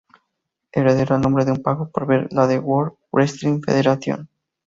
Hereda el nombre de un pago-por-ver de la World Wrestling Federation.